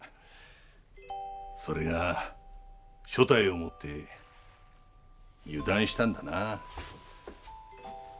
それが所帯を持って油断したんだな。